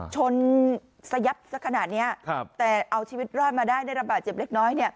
สยับสักขนาดนี้แต่เอาชีวิตรอดมาได้ได้รับบาดเจ็บเล็กน้อย